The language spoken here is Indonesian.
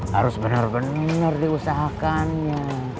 harus bener bener diusahakannya